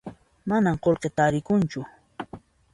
Manan qullqi tarikunchu